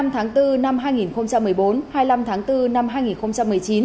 một mươi tháng bốn năm hai nghìn một mươi bốn hai mươi năm tháng bốn năm hai nghìn một mươi chín